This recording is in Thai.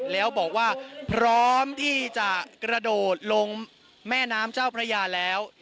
แล้วบอกว่าพร้อมที่จะกระโดดลงแม่น้ำเจ้าพระยาแล้ว